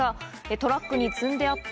トラックに積んであった。